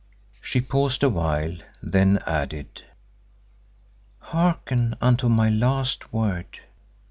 She paused awhile, then added, "Hearken unto my last word!